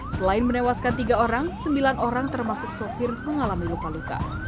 selain menewaskan tiga orang sembilan orang termasuk sopir mengalami luka luka